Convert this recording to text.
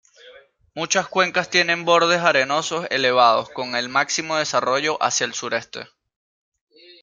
Muchas cuencas tienen bordes arenosos elevados con el máximo desarrollo hacia el sureste.